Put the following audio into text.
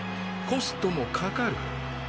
コストもかかる。